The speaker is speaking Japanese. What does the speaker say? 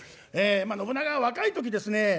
まあ信長は若い時ですね